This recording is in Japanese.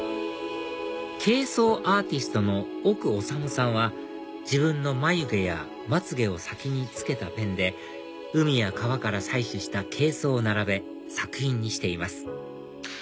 珪藻アーティストの奥修さんは自分の眉毛やまつげを先につけたペンで海や川から採取した珪藻を並べ作品にしています